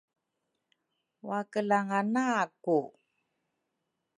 Wakelanga naku